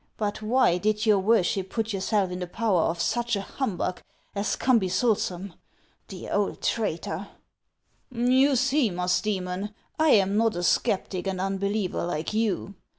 But why did your worship put yourself in the power of such a humbug as Cumbysulsum ?— the old traitor !" il You see, Musdcemon, I am not a sceptic and unbe liever, like you.